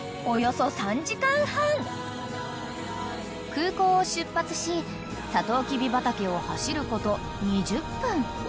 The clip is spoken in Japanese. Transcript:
［空港を出発しサトウキビ畑を走ること２０分］